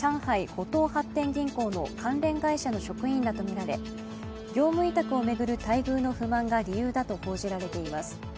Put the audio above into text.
浦東発展銀行の関連会社の職員らとみられ、業務委託を巡る待遇の不満が理由だと報じられています。